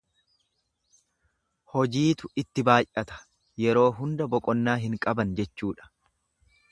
Hojiitu itti baay'ata, yeroo hunda boqonnaa hin qaban jechuudha.